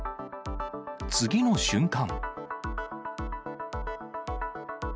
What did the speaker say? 次の瞬間。